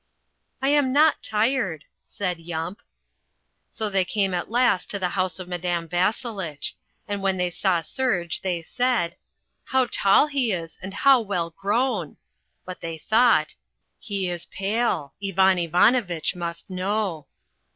"I am not tired," said Yump. So they came at last to the house of Madame Vasselitch. And when they saw Serge they said, "How tall he is and how well grown!" But they thought, "He is pale. Ivan Ivanoviteh must know."